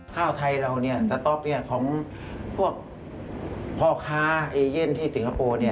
ข้าวไทยเราสต๊อปของพวกพ่อค้าเอเย่นที่สิงคโปร์